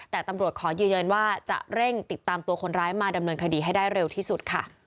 แต่ตำรวจขอยืนยันว่าจะเร่งติดตามตัวคนร้ายมาดำเนินคดีให้ได้เร็วที่สุดค่ะ